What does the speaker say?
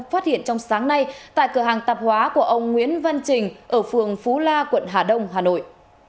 phát hiện trong sáng nay tại cửa hàng tạp hóa của ông nguyễn văn trình ở phường phú la quận hà đông hà nội